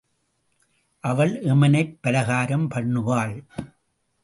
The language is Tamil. அவள் எமனைப் பலகாரம் பண்ணுவாள்.